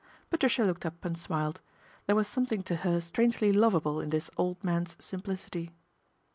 Patricia looked up and smiled. There was something to her strangely lovable in this old man's simplicity.